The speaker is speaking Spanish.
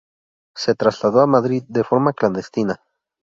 Se trasladó a Madrid de forma clandestina.